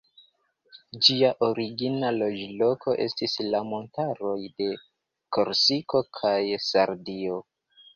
Ĝia origina loĝloko estis la montaroj de Korsiko kaj Sardio.